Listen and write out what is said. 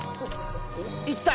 いった！